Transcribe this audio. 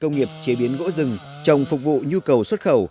công nghiệp chế biến gỗ rừng trồng phục vụ nhu cầu xuất khẩu